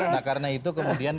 nah karena itu kemudian